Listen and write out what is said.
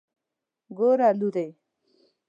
ګوره لورې.